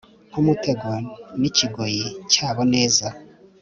nkumutego nikigoyi cyabo neza